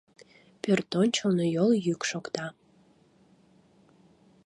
Пӧртӧнчылнӧ йолйӱк шокта.